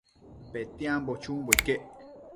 Petiambo chumbo iquec